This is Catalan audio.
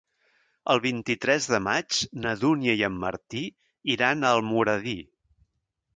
El vint-i-tres de maig na Dúnia i en Martí iran a Almoradí.